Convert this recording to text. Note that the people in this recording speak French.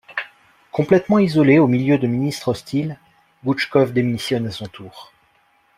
Complètement isolé au milieu de ministres hostiles, Goutchkov démissionne à son tour.